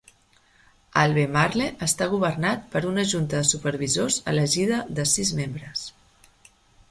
Albemarle està governat per una Junta de Supervisors elegida de sis membres.